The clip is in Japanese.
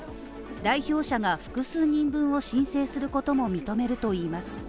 代表者が複数人分を申請することも認めるといいます。